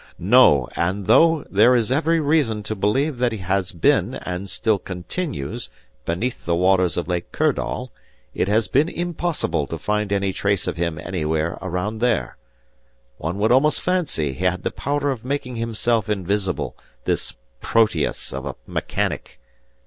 "No; and though there is every reason to believe that he has been, and still continues, beneath the waters of Lake Kirdall, it has been impossible to find any trace of him anywhere around there. One would almost fancy he had the power of making himself invisible, this Proteus of a mechanic!"